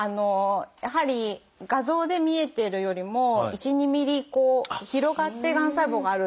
やはり画像で見えてるよりも１２ｍｍ広がってがん細胞がある。